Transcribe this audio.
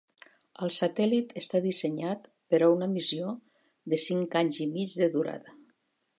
El satèl·lit està dissenyat per a una missió de cinc anys i mig de durada.